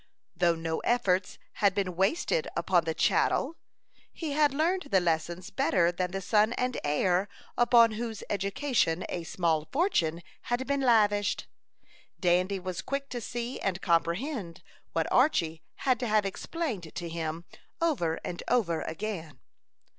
Though no efforts had been wasted upon the "chattel," he had learned the lessons better than the son and heir, upon whose education a small fortune had been lavished. Dandy was quick to see and comprehend what Archy had to have explained to him over and over again.